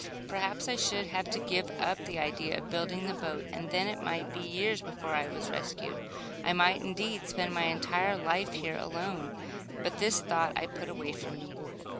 Perhaps I should have to give up the idea of building the boat, and then it might be years before I was rescued. I might, indeed, spend my entire life here alone; but this thought I put away from me.